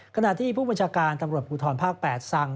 ขณะที่ผู้บัญชาการตำรวจภูทรภาค๘สั่ง